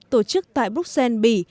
tổ chức tại bruxelles bỉ